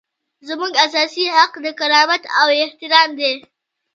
زموږ اساسي حق د کرامت او احترام دی.